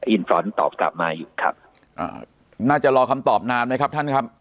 อินฟรอนตอบกลับมาอยู่ครับอ่าน่าจะรอคำตอบนานไหมครับท่านครับ